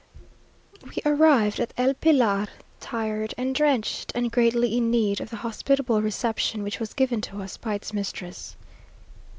We arrived at El Pilar tired and drenched, and greatly in need of the hospitable reception which was given to us by its mistress.